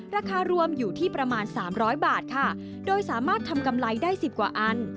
ราคารวมอยู่ที่ประมาณสามร้อยบาทค่ะโดยสามารถทำกำไรได้๑๐กว่าอัน